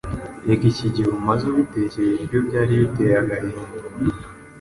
Reka iki gihe umaze ubitegereje byo byari biteye agahinda!